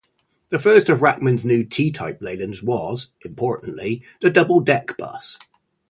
The first of Rackham's new T-Type Leylands was, importantly, the double-deck bus.